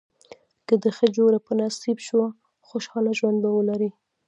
که دې ښه جوړه په نصیب شوه خوشاله ژوند به ولرې.